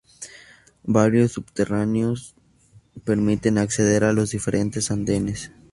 Varios subterráneos permiten acceder a los diferentes andenes.